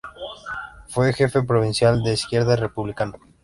Fue Jefe provincial de Izquierda Republicana.